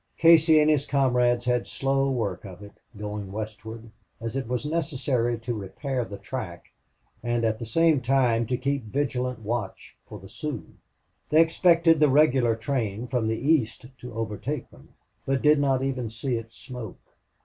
Casey and his comrades had slow work of it going westward, as it was necessary to repair the track and at the same time to keep vigilant watch for the Sioux. They expected the regular train from the east to overtake them, but did not even see its smoke.